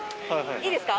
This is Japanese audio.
いいですか？